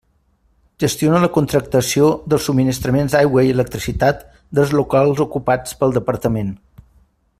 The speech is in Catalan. Gestiona la contractació dels subministraments d'aigua i electricitat dels locals ocupats pel Departament.